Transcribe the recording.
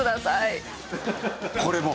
これも？